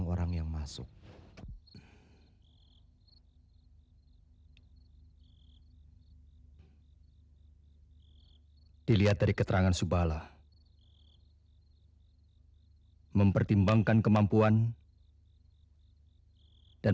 mungkin mereka yakin keadaan singkur selalu amat